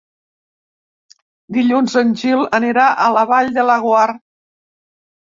Dilluns en Gil anirà a la Vall de Laguar.